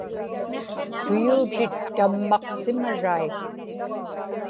tuyuutit tammaqsimarai